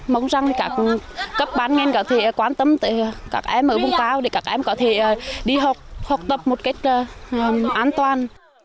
mong rằng các bạn em có thể quan tâm tới các em ở vùng cao để các em có thể đi học học tập một cách an toàn